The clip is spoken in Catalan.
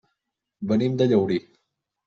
Venim de Llaurí.